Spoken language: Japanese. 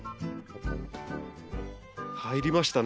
入りましたね。